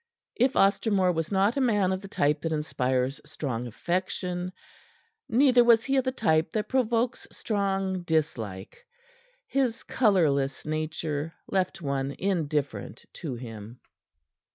If Ostermore was not a man of the type that inspires strong affection, neither was he of the type that provokes strong dislike. His colorless nature left one indifferent to him.